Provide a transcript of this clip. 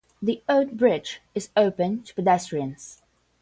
The old bridge is open to pedestrians.